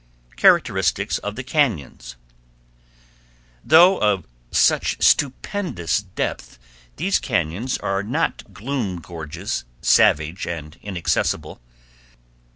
Characteristics Of The Cañons Though of such stupendous depth, these cañons are not gloom gorges, savage and inaccessible.